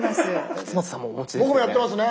勝俣さんもお持ちですよね。